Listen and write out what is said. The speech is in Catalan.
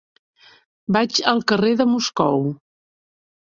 Vaig al carrer de Moscou.